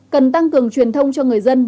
cần tăng cường truyền thông cho người dân